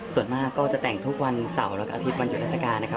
ส่วนมากก็จะแต่งทุกวันสาวอาทิตย์วันหยุดราชกา